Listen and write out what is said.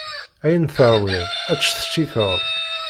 Ayen teṛwiḍ, ad t-tectiqeḍ.